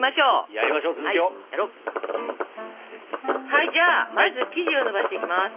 はいじゃあまず生地をのばしていきます。